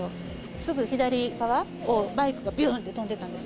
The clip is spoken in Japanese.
すぐ左側をバイクがびゅんって飛んでいったんです。